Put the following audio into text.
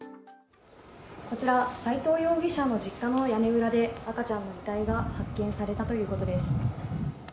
斎藤容疑者の実家の屋根裏で赤ちゃんの遺体が発見されたということです。